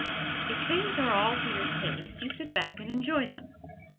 If things are all to your taste you sit back and enjoy them.